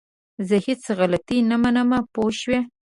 زه هيڅ غلطي نه منم! پوه شوئ!